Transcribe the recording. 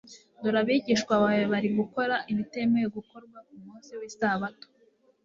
"Dore abigishwa bawe bari gukora ibitemewe gukorwa ku munsi w'isabato.